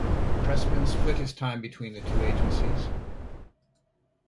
Pressman split his time between the two agencies.